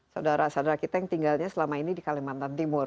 saudara saudara kita yang tinggalnya selama ini di kalimantan timur